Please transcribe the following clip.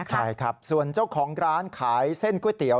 ใช่ครับส่วนเจ้าของร้านขายเส้นก๋วยเตี๋ย